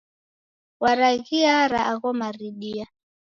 Waraghiara agho maridia.